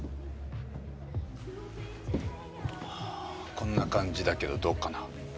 こんな感じだけどどうかな？